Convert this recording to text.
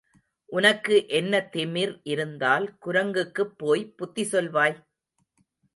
உனக்கு என்ன திமிர் இருந்தால் குரங்குக்குப் போய் புத்தி சொல்வாய்?